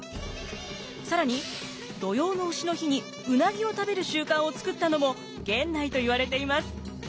更に土用の丑の日にウナギを食べる習慣を作ったのも源内といわれています。